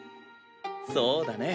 そうだね。